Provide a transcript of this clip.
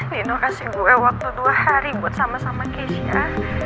minum kasih gue waktu dua hari buat sama sama keisha